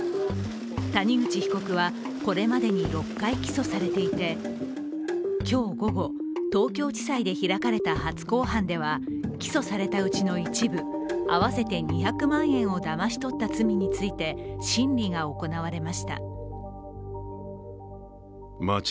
谷口被告は、これまでに６回起訴されていて今日午後、東京地裁で開かれた初公判では起訴されたうちの一部、合わせて２００万円をだまし取った罪について審理が行われました。